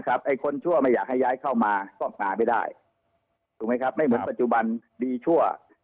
ไอ้คนชั่วไม่อยากให้ย้ายเข้ามาก็มาไม่ได้ถูกไหมครับไม่เหมือนปัจจุบันดีชั่ว